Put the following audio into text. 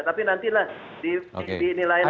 tapi nantilah dinilainan